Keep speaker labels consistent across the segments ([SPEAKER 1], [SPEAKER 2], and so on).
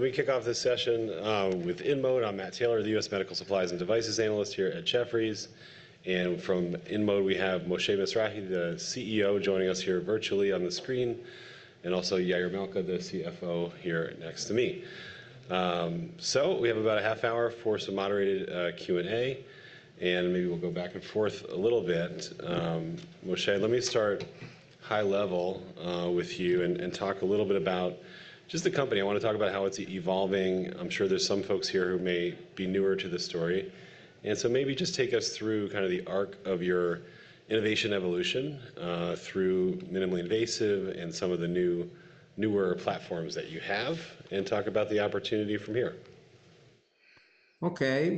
[SPEAKER 1] Let me kick off this session with InMode. I'm Matt Taylor, the U.S. Medical Supplies and Devices Analyst here at Jefferies. From InMode, we have Moshe Mizrahy, the CEO, joining us here virtually on the screen, and also Yair Malca, the CFO, here next to me. We have about a half hour for some moderated Q&A, and maybe we'll go back and forth a little bit. Moshe, let me start high level with you and talk a little bit about just the company. I want to talk about how it's evolving. I'm sure there's some folks here who may be newer to the story. Maybe just take us through kind of the arc of your innovation evolution through minimally invasive and some of the newer platforms that you have, and talk about the opportunity from here.
[SPEAKER 2] OK,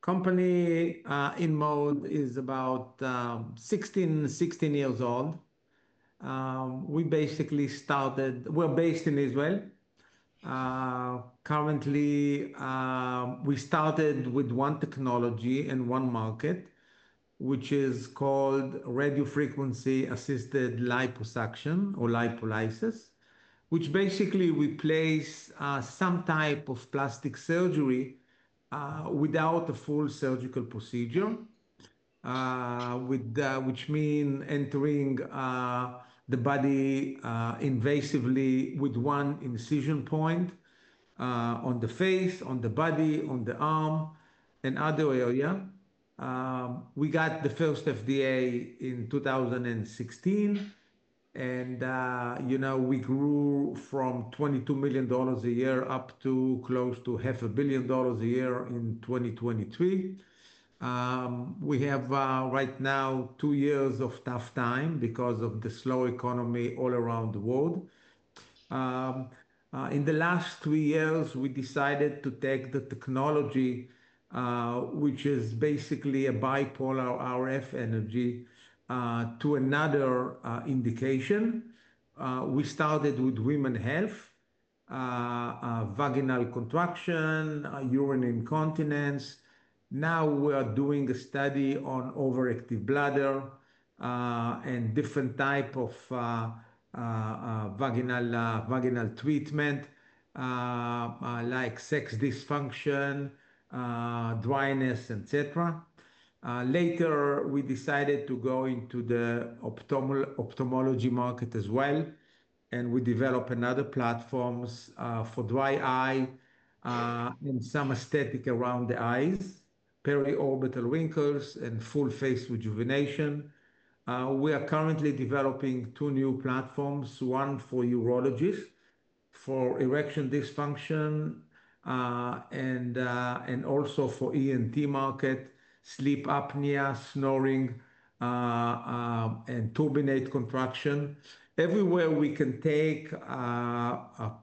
[SPEAKER 2] company InMode is about 16 years old. We basically started, we're based in Israel. Currently, we started with one technology and one market, which is called radiofrequency-assisted liposuction or lipolysis, which basically replaced some type of plastic surgery without a full surgical procedure, which means entering the body invasively with one incision point on the face, on the body, on the arm, and other area. We got the first FDA in 2016, and we grew from $22 million a year up to close to $500,000,000 a year in 2023. We have right now two years of tough time because of the slow economy all around the world. In the last three years, we decided to take the technology, which is basically a bipolar RF energy, to another indication. We started with women's health, vaginal contraction, urinary incontinence. Now we are doing a study on overactive bladder and different types of vaginal treatment, like sex dysfunction, dryness, et cetera. Later, we decided to go into the ophthalmology market as well, and we developed another platform for dry eye and some aesthetic around the eyes, periorbital wrinkles, and full face rejuvenation. We are currently developing two new platforms, one for urologists, for erection dysfunction, and also for the ENT market, sleep apnea, snoring, and turbinate contraction. Everywhere we can take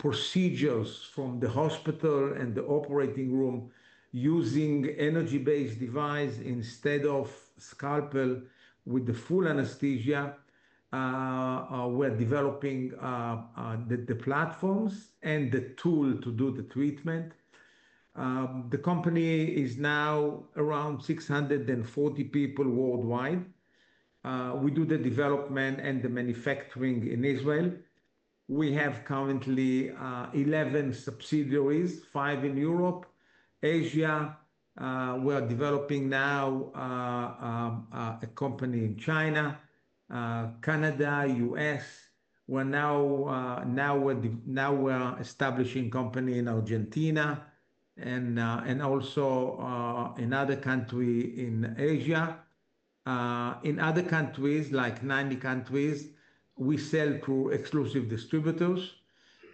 [SPEAKER 2] procedures from the hospital and the operating room using an energy-based device instead of scalpel with the full anesthesia, we're developing the platforms and the tool to do the treatment. The company is now around 640 people worldwide. We do the development and the manufacturing in Israel. We have currently 11 subsidiaries, five in Europe, Asia. We are developing now a company in China, Canada, U.S. Now we're establishing a company in Argentina and also in other countries in Asia. In other countries, like 90 countries, we sell through exclusive distributors.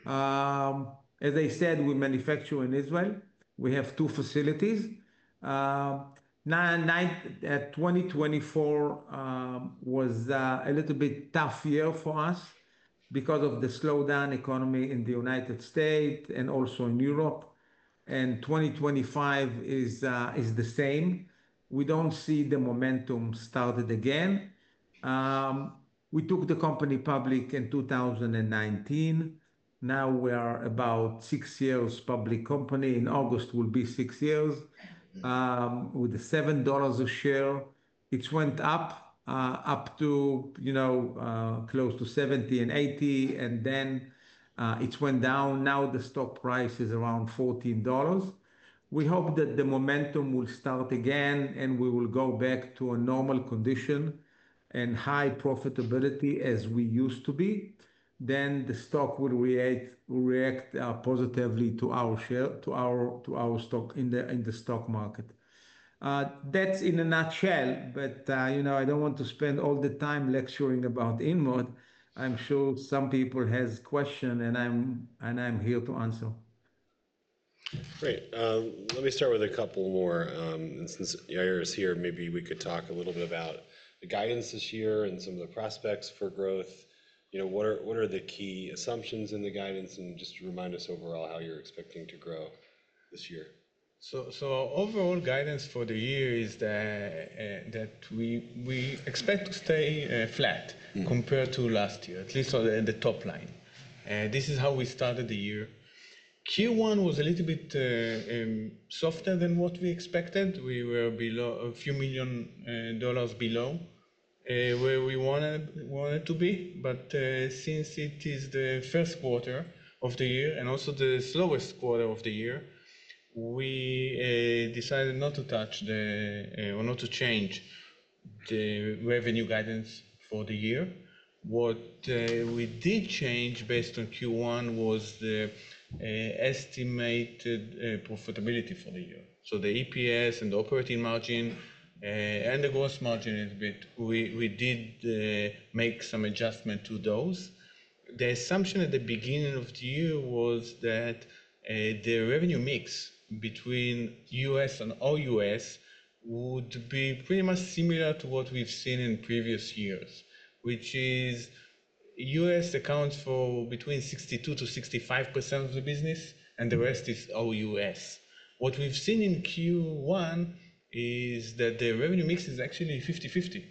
[SPEAKER 2] As I said, we manufacture in Israel. We have two facilities. 2024 was a little bit tough year for us because of the slowdown economy in the United States and also in Europe. 2025 is the same. We do not see the momentum started again. We took the company public in 2019. Now we are about six years public company. In August, it will be six years. With the $7 a share, it went up up to close to $70 and $80, and then it went down. Now the stock price is around $14. We hope that the momentum will start again and we will go back to a normal condition and high profitability as we used to be. The stock will react positively to our stock in the stock market. That's in a nutshell, but I don't want to spend all the time lecturing about InMode. I'm sure some people have questions, and I'm here to answer.
[SPEAKER 1] Great. Let me start with a couple more. Since Yair is here, maybe we could talk a little bit about the guidance this year and some of the prospects for growth. What are the key assumptions in the guidance, and just remind us overall how you're expecting to grow this year?
[SPEAKER 3] Overall guidance for the year is that we expect to stay flat compared to last year, at least on the top line. This is how we started the year. Q1 was a little bit softer than what we expected. We were a few million dollars below where we wanted to be. Since it is the first quarter of the year and also the slowest quarter of the year, we decided not to touch or not to change the revenue guidance for the year. What we did change based on Q1 was the estimated profitability for the year. The EPS and the operating margin and the gross margin a bit, we did make some adjustment to those. The assumption at the beginning of the year was that the revenue mix between U.S. and all U.S. would be pretty much similar to what we've seen in previous years, which is U.S. accounts for between 62% to 65% of the business, and the rest is all U.S. What we've seen in Q1 is that the revenue mix is actually 50/50.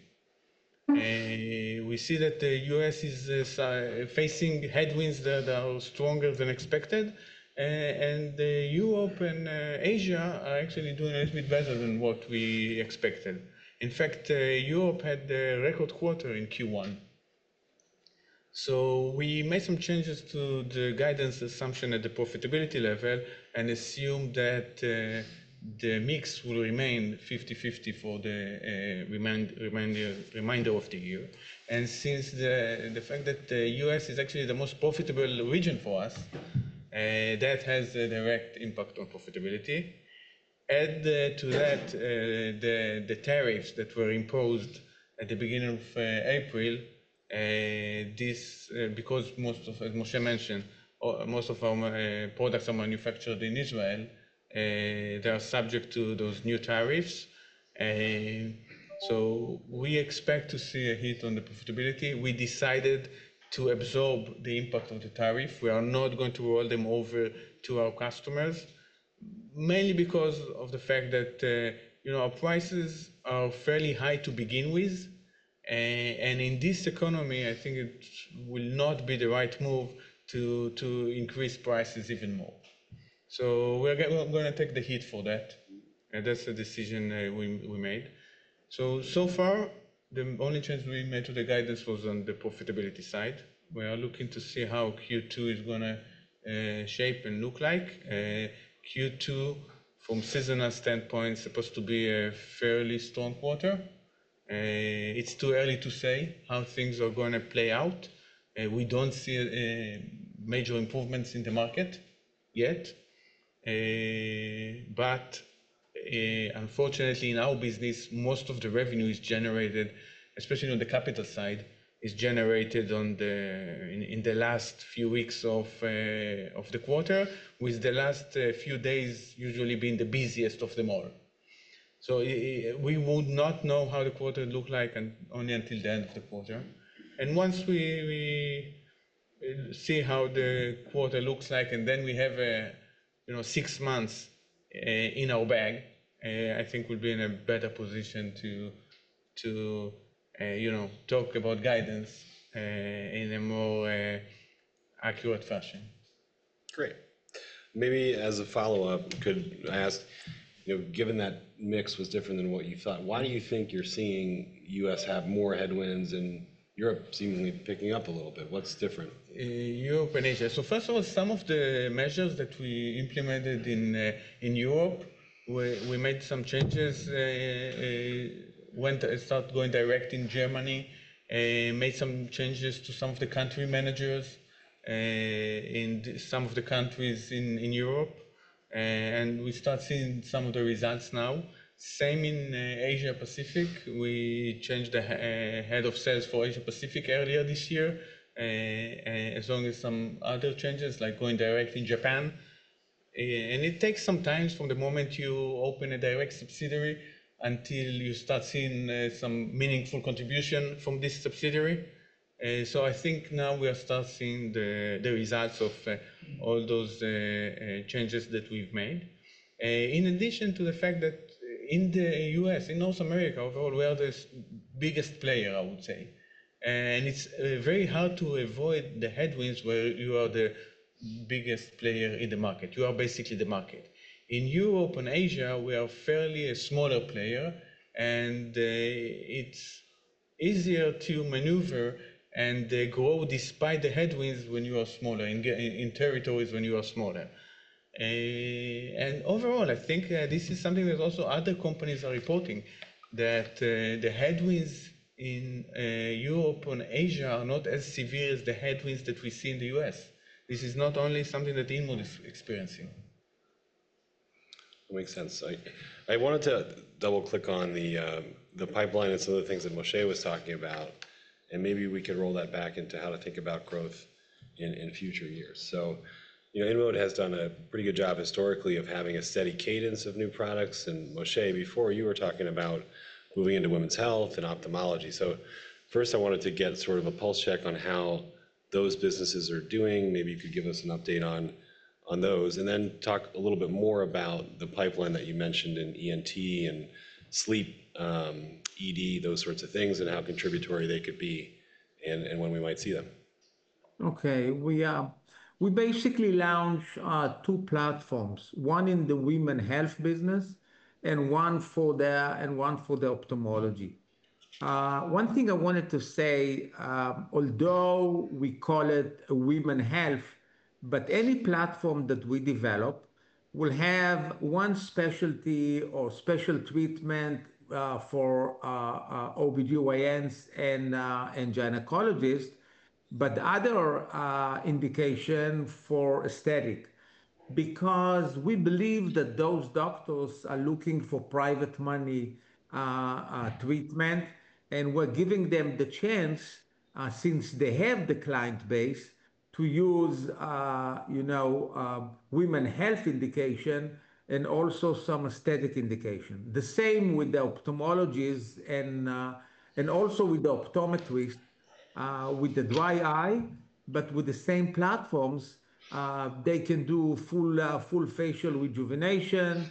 [SPEAKER 3] We see that the U.S. is facing headwinds that are stronger than expected, and Europe and Asia are actually doing a little bit better than what we expected. In fact, Europe had the record quarter in Q1. We made some changes to the guidance assumption at the profitability level and assumed that the mix will remain 50/50 for the remainder of the year. Since the fact that the U.S. is actually the most profitable region for us, that has a direct impact on profitability. Add to that the tariffs that were imposed at the beginning of April, because most of, as Moshe mentioned, most of our products are manufactured in Israel, they are subject to those new tariffs. We expect to see a hit on the profitability. We decided to absorb the impact of the tariff. We are not going to roll them over to our customers, mainly because of the fact that our prices are fairly high to begin with. In this economy, I think it will not be the right move to increase prices even more. We are going to take the hit for that. That is the decision we made. So far, the only change we made to the guidance was on the profitability side. We are looking to see how Q2 is going to shape and look like. Q2, from a seasonal standpoint, is supposed to be a fairly strong quarter. It's too early to say how things are going to play out. We don't see major improvements in the market yet. Unfortunately, in our business, most of the revenue is generated, especially on the capital side, in the last few weeks of the quarter, with the last few days usually being the busiest of them all. We would not know how the quarter looks like until the end of the quarter. Once we see how the quarter looks like, and then we have six months in our bag, I think we'll be in a better position to talk about guidance in a more accurate fashion.
[SPEAKER 1] Great. Maybe as a follow-up, could I ask, given that mix was different than what you thought, why do you think you're seeing U.S. have more headwinds and Europe seemingly picking up a little bit? What's different?
[SPEAKER 3] Europe and Asia. First of all, some of the measures that we implemented in Europe, we made some changes. We started going direct in Germany, made some changes to some of the country managers in some of the countries in Europe. We start seeing some of the results now. Same in Asia-Pacific. We changed the head of sales for Asia-Pacific earlier this year, as well as some other changes, like going direct in Japan. It takes some time from the moment you open a direct subsidiary until you start seeing some meaningful contribution from this subsidiary. I think now we are starting to see the results of all those changes that we've made. In addition to the fact that in the U.S., in North America, overall, we are the biggest player, I would say. It is very hard to avoid the headwinds where you are the biggest player in the market. You are basically the market. In Europe and Asia, we are fairly a smaller player, and it is easier to maneuver and grow despite the headwinds when you are smaller in territories when you are smaller. Overall, I think this is something that also other companies are reporting, that the headwinds in Europe and Asia are not as severe as the headwinds that we see in the U.S. This is not only something that InMode is experiencing.
[SPEAKER 1] Makes sense. I wanted to double-click on the pipeline and some of the things that Moshe was talking about, and maybe we could roll that back into how to think about growth in future years. InMode has done a pretty good job historically of having a steady cadence of new products. Moshe, before you were talking about moving into women's health and ophthalmology. First, I wanted to get sort of a pulse check on how those businesses are doing. Maybe you could give us an update on those. Then talk a little bit more about the pipeline that you mentioned in ENT and sleep, ED, those sorts of things, and how contributory they could be and when we might see them.
[SPEAKER 2] OK. We basically launched two platforms, one in the women's health business and one for the ophthalmology. One thing I wanted to say, although we call it women's health, but any platform that we develop will have one specialty or special treatment for OB-GYNs and gynecologists, but other indications for aesthetic. Because we believe that those doctors are looking for private money treatment, and we're giving them the chance, since they have the client base, to use women's health indication and also some aesthetic indication. The same with the ophthalmologists and also with the optometrists with the dry eye. With the same platforms, they can do full facial rejuvenation,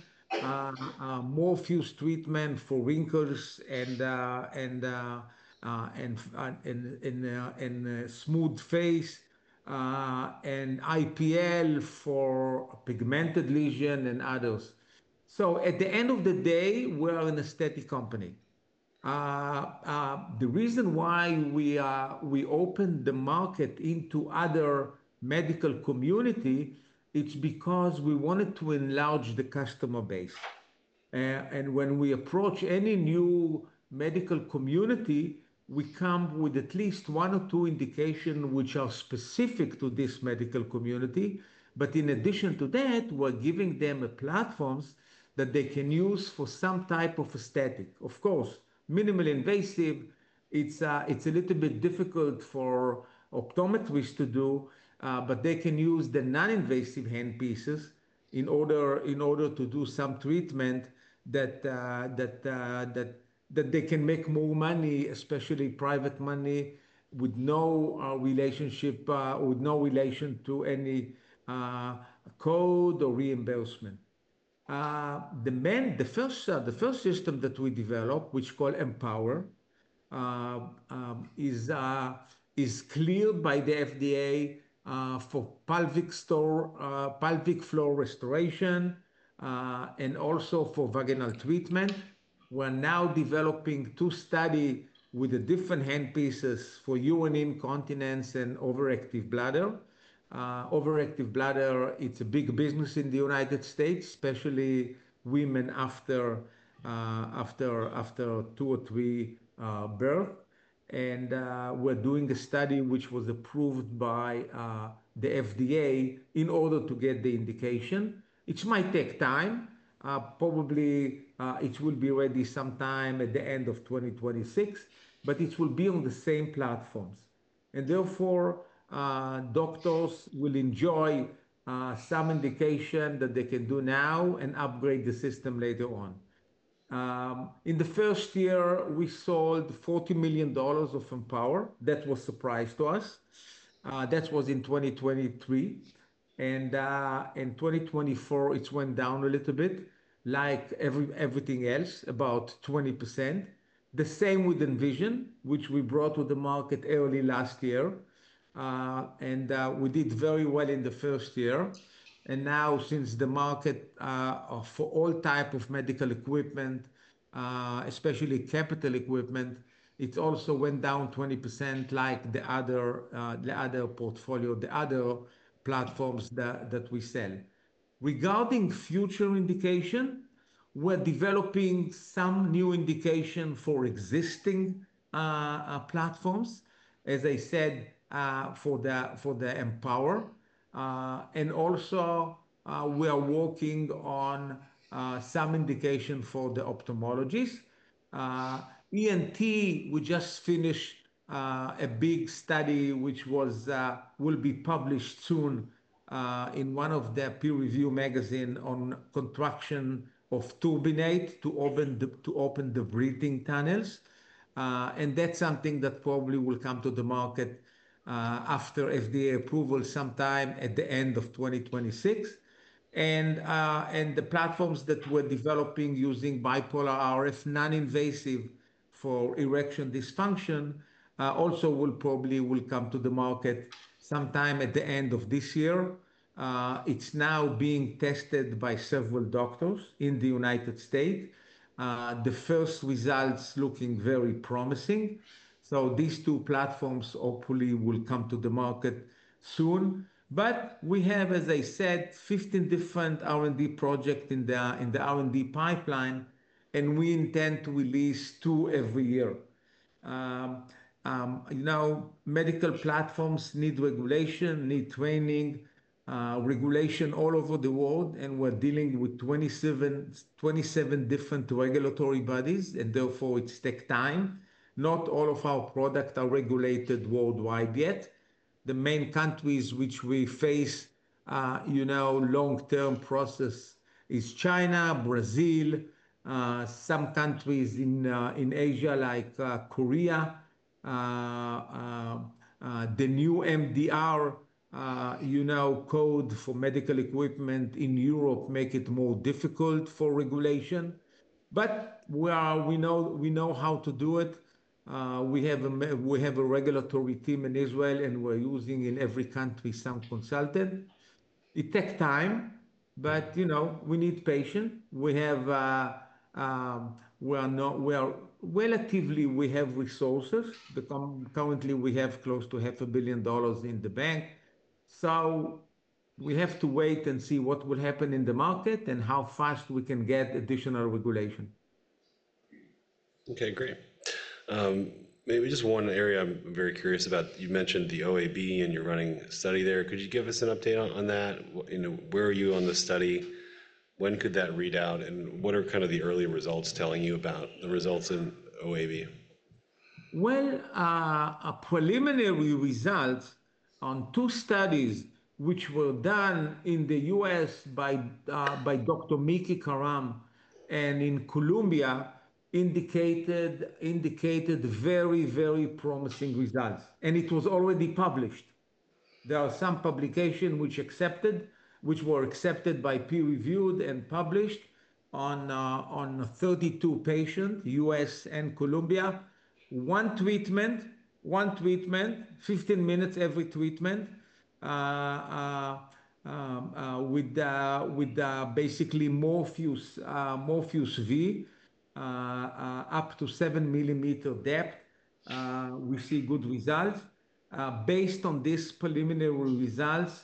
[SPEAKER 2] Morpheus treatment for wrinkles and smooth face, and IPL for pigmented lesions and others. At the end of the day, we are an aesthetic company. The reason why we opened the market into other medical communities is because we wanted to enlarge the customer base. When we approach any new medical community, we come with at least one or two indications which are specific to this medical community. In addition to that, we're giving them platforms that they can use for some type of aesthetic. Of course, minimally invasive, it's a little bit difficult for optometrists to do, but they can use the non-invasive handpieces in order to do some treatment that they can make more money, especially private money, with no relation to any code or reimbursement. The first system that we developed, which we call M-Power, is cleared by the FDA for pelvic floor restoration and also for vaginal treatment. We're now developing two studies with different handpieces for urinary incontinence and overactive bladder. Overactive bladder, it's a big business in the United States, especially women after two or three births. We're doing a study which was approved by the FDA in order to get the indication. It might take time. Probably it will be ready sometime at the end of 2026, but it will be on the same platforms. Therefore, doctors will enjoy some indication that they can do now and upgrade the system later on. In the first year, we sold $40 million of M-Power. That was a surprise to us. That was in 2023. In 2024, it went down a little bit, like everything else, about 20%. The same with Envision, which we brought to the market early last year. We did very well in the first year. Now, since the market for all types of medical equipment, especially capital equipment, also went down 20% like the other portfolio, the other platforms that we sell. Regarding future indication, we're developing some new indication for existing platforms, as I said, for the M-Power. Also, we are working on some indication for the ophthalmologists. ENT, we just finished a big study which will be published soon in one of their peer-reviewed magazines on contraction of turbinates to open the breathing tunnels. That is something that probably will come to the market after FDA approval sometime at the end of 2026. The platforms that we're developing using bipolar RF, non-invasive for erection dysfunction, also will probably come to the market sometime at the end of this year. It's now being tested by several doctors in the United States. The first results are looking very promising. These two platforms hopefully will come to the market soon. We have, as I said, 15 different R&D projects in the R&D pipeline, and we intend to release two every year. Medical platforms need regulation, need training, regulation all over the world. We are dealing with 27 different regulatory bodies, and therefore, it takes time. Not all of our products are regulated worldwide yet. The main countries which we face long-term process are China, Brazil, some countries in Asia like Korea. The new MDR code for medical equipment in Europe makes it more difficult for regulation. We know how to do it. We have a regulatory team in Israel, and we are using in every country some consultant. It takes time, but we need patience. We are relatively resourceful. Currently, we have close to $500,000,000 in the bank. We have to wait and see what will happen in the market and how fast we can get additional regulation.
[SPEAKER 1] OK, great. Maybe just one area I'm very curious about. You mentioned the OAB, and you're running a study there. Could you give us an update on that? Where are you on the study? When could that read out? What are kind of the early results telling you about the results in OAB?
[SPEAKER 2] Preliminary results on two studies which were done in the U.S. by Dr. Mickey Karam and in Colombia indicated very, very promising results. It was already published. There are some publications which were accepted by peer-reviewed and published on 32 patients, U.S. and Colombia. One treatment, one treatment, 15 minutes every treatment with basically Morpheus V up to 7 mm depth. We see good results. Based on these preliminary results,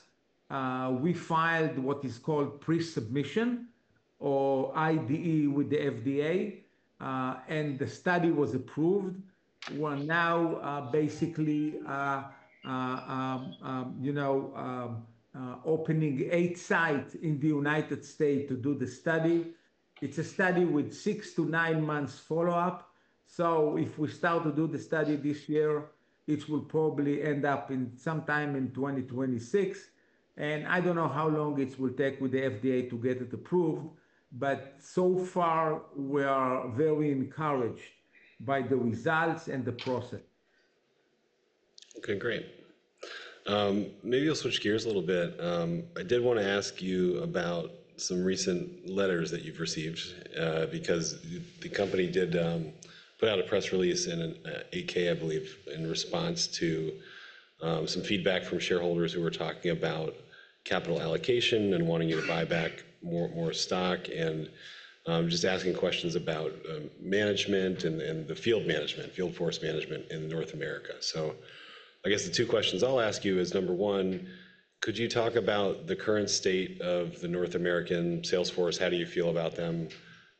[SPEAKER 2] we filed what is called pre-submission or IDE with the FDA. The study was approved. We're now basically opening eight sites in the United States to do the study. It's a study with six to nine months follow-up. If we start to do the study this year, it will probably end up sometime in 2026. I don't know how long it will take with the FDA to get it approved. We are very encouraged by the results and the process.
[SPEAKER 1] OK, great. Maybe I'll switch gears a little bit. I did want to ask you about some recent letters that you've received because the company did put out a press release in an 8-K, I believe, in response to some feedback from shareholders who were talking about capital allocation and wanting you to buy back more stock and just asking questions about management and the field management, field force management in North America. I guess the two questions I'll ask you is, number one, could you talk about the current state of the North American Salesforce? How do you feel about them?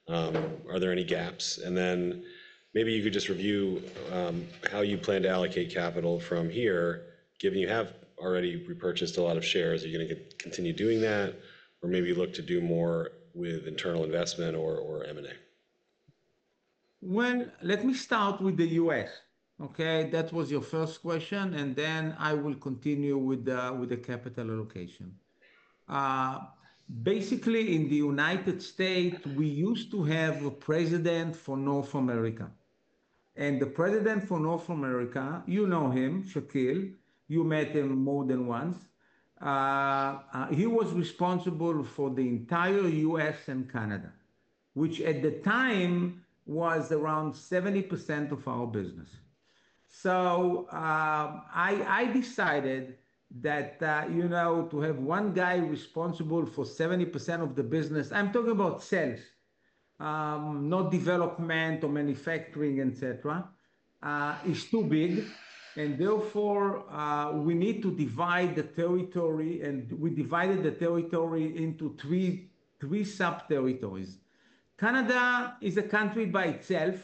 [SPEAKER 1] Are there any gaps? Maybe you could just review how you plan to allocate capital from here, given you have already repurchased a lot of shares. Are you going to continue doing that? Maybe look to do more with internal investment or M&A?
[SPEAKER 2] Let me start with the U.S., OK? That was your first question. I will continue with the capital allocation. Basically, in the United States, we used to have a President for North America. The President for North America, you know him, Shakil. You met him more than once. He was responsible for the entire U.S. and Canada, which at the time was around 70% of our business. I decided that to have one guy responsible for 70% of the business, I'm talking about sales, not development or manufacturing, et cetera, is too big. Therefore, we need to divide the territory. We divided the territory into three sub-territories. Canada is a country by itself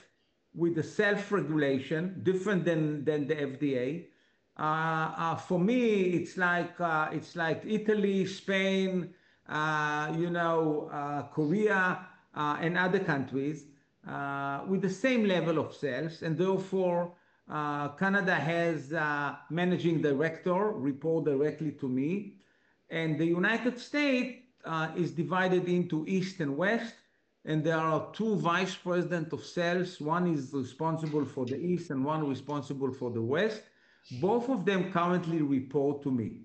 [SPEAKER 2] with self-regulation, different than the FDA. For me, it's like Italy, Spain, Korea, and other countries with the same level of sales. Therefore, Canada has a Managing Director report directly to me. The United States is divided into East and West. There are two Vice Presidents of Sales. One is responsible for the East and one responsible for the West. Both of them currently report to me.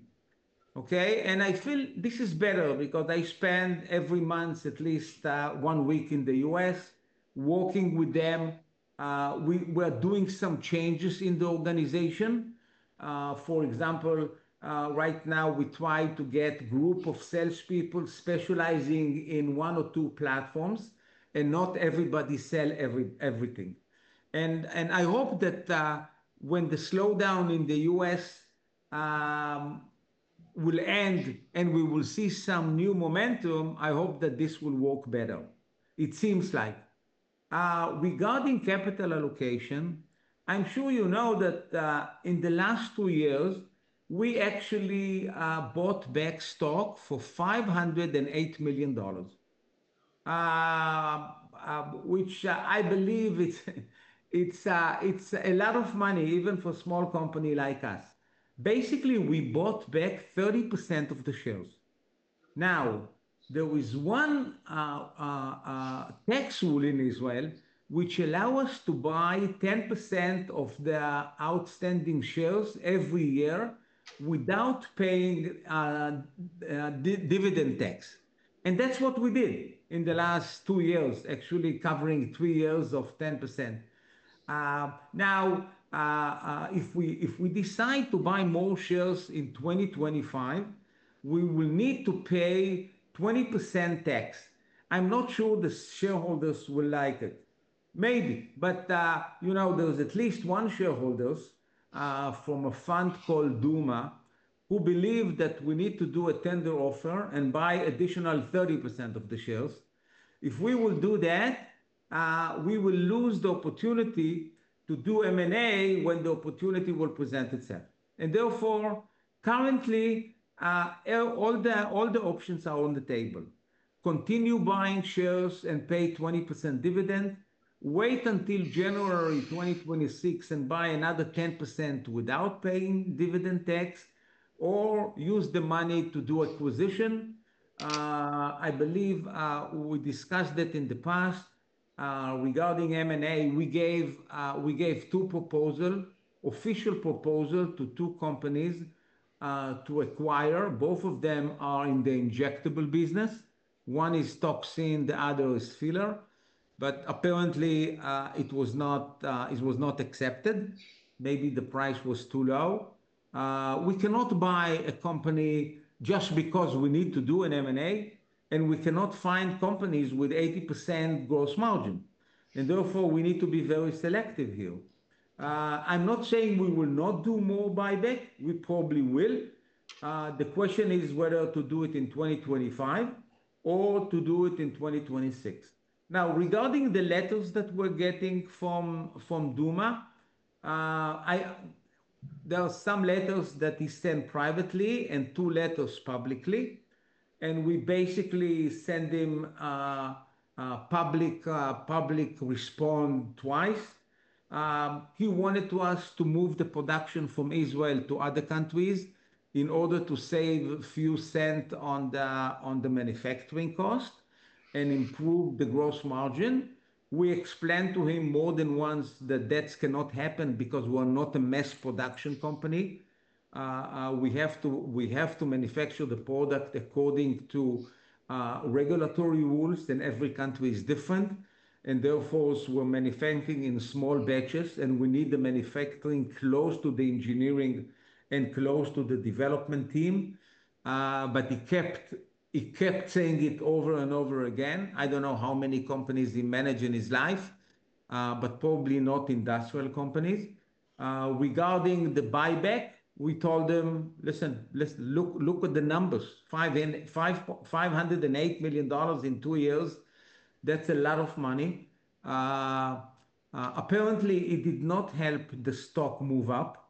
[SPEAKER 2] OK? I feel this is better because I spend every month at least one week in the U.S. working with them. We are doing some changes in the organization. For example, right now, we try to get a group of salespeople specializing in one or two platforms, and not everybody sells everything. I hope that when the slowdown in the U.S. will end and we will see some new momentum, I hope that this will work better. It seems like. Regarding capital allocation, I'm sure you know that in the last two years, we actually bought back stock for $508 million, which I believe it's a lot of money, even for a small company like us. Basically, we bought back 30% of the shares. Now, there is one tax rule in Israel which allows us to buy 10% of the outstanding shares every year without paying dividend tax. That's what we did in the last two years, actually covering three years of 10%. Now, if we decide to buy more shares in 2025, we will need to pay 20% tax. I'm not sure the shareholders will like it. Maybe. There is at least one shareholder from a fund called Duma who believes that we need to do a tender offer and buy an additional 30% of the shares. If we will do that, we will lose the opportunity to do M&A when the opportunity will present itself. Therefore, currently, all the options are on the table. Continue buying shares and pay 20% dividend, wait until January 2026 and buy another 10% without paying dividend tax, or use the money to do acquisition. I believe we discussed it in the past. Regarding M&A, we gave two proposals, official proposals to two companies to acquire. Both of them are in the injectable business. One is toxin, the other is filler. Apparently, it was not accepted. Maybe the price was too low. We cannot buy a company just because we need to do an M&A. We cannot find companies with 80% gross margin. Therefore, we need to be very selective here. I'm not saying we will not do more buyback. We probably will. The question is whether to do it in 2025 or to do it in 2026. Now, regarding the letters that we're getting from Duma, there are some letters that he sent privately and two letters publicly. We basically sent him a public response twice. He wanted us to move the production from Israel to other countries in order to save a few cents on the manufacturing cost and improve the gross margin. We explained to him more than once that that cannot happen because we're not a mass production company. We have to manufacture the product according to regulatory rules. Every country is different. Therefore, we're manufacturing in small batches. We need the manufacturing close to the engineering and close to the development team. He kept saying it over and over again. I do not know how many companies he managed in his life, but probably not industrial companies. Regarding the buyback, we told them, listen, look at the numbers. $508 million in two years. That is a lot of money. Apparently, it did not help the stock move up,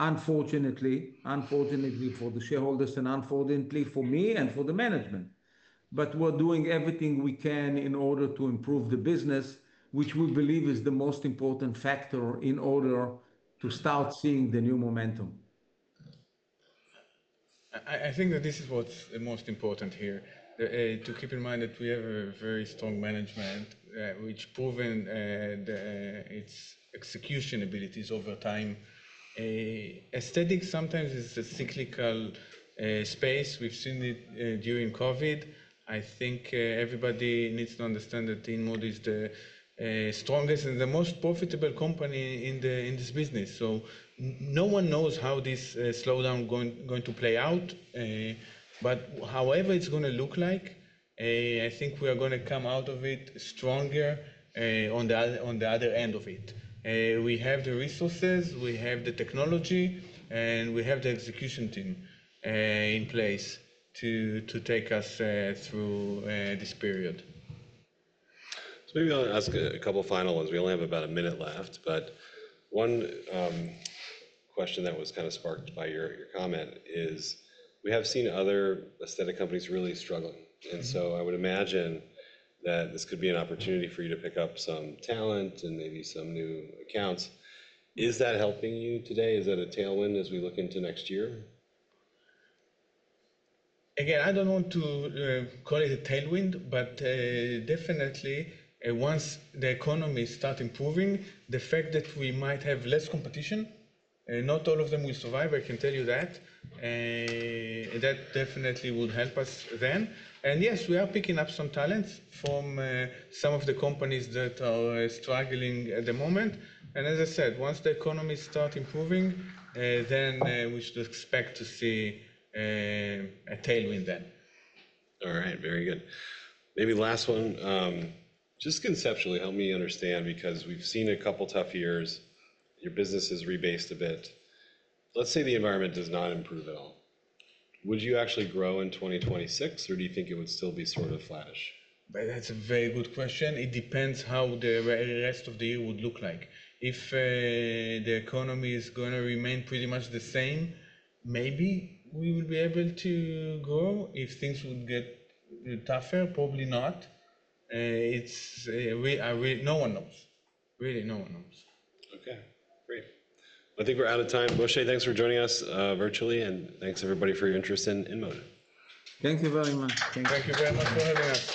[SPEAKER 2] unfortunately, unfortunately for the shareholders and unfortunately for me and for the management. We are doing everything we can in order to improve the business, which we believe is the most important factor in order to start seeing the new momentum.
[SPEAKER 3] I think that this is what's most important here. To keep in mind that we have a very strong management, which has proven its execution abilities over time. Aesthetics sometimes is a cyclical space. We've seen it during COVID. I think everybody needs to understand that InMode is the strongest and the most profitable company in this business. No one knows how this slowdown is going to play out. However it's going to look like, I think we are going to come out of it stronger on the other end of it. We have the resources. We have the technology. And we have the execution team in place to take us through this period.
[SPEAKER 1] Maybe I'll ask a couple of final ones. We only have about a minute left. One question that was kind of sparked by your comment is we have seen other aesthetic companies really struggling. I would imagine that this could be an opportunity for you to pick up some talent and maybe some new accounts. Is that helping you today? Is that a tailwind as we look into next year?
[SPEAKER 3] Again, I don't want to call it a tailwind, but definitely, once the economy starts improving, the fact that we might have less competition, not all of them will survive, I can tell you that. That definitely would help us then. Yes, we are picking up some talent from some of the companies that are struggling at the moment. As I said, once the economy starts improving, then we should expect to see a tailwind then.
[SPEAKER 1] All right, very good. Maybe last one. Just conceptually, help me understand, because we've seen a couple of tough years. Your business has rebased a bit. Let's say the environment does not improve at all. Would you actually grow in 2026, or do you think it would still be sort of flattish?
[SPEAKER 3] That's a very good question. It depends how the rest of the year would look like. If the economy is going to remain pretty much the same, maybe we would be able to grow. If things would get tougher, probably not. No one knows. Really, no one knows.
[SPEAKER 1] OK, great. I think we're out of time. Moshe, thanks for joining us virtually. And thanks, everybody, for your interest in InMode.
[SPEAKER 2] Thank you very much.
[SPEAKER 1] Thank you very much for having us.